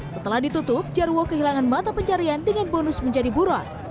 setelah ditutup jarwo kehilangan mata pencarian dengan bonus menjadi buron